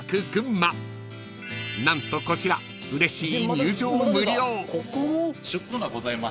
［何とこちらうれしい］